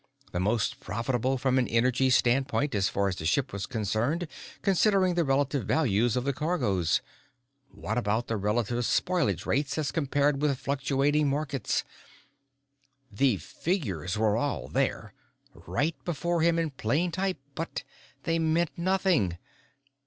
The most profitable from an energy standpoint, as far as the ship was concerned, considering the relative values of the cargoes? What about relative spoilage rates as compared with fluctuating markets? The figures were all there, right before him in plain type. But they meant nothing.